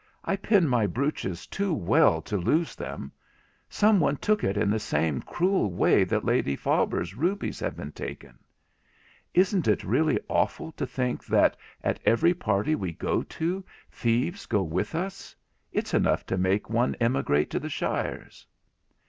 I pin my brooches too I! well to lose them—some one took it in the same cruel way that Lady Faber's rubies have been taken. Isn't it really awful to think that at every party we go to thieves go with us? It's enough to make one emigrate to the shires.'